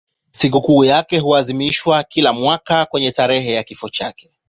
Sikukuu yake huadhimishwa kila mwaka kwenye tarehe ya kifo chake.